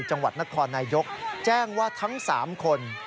จังหวัดนครนายกแจ้งว่าทั้ง๓คน